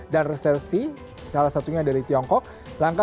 dan resersi salah satunya dari tiongkok